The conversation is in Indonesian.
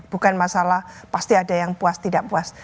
bukan masalah pasti ada yang puas tidak puas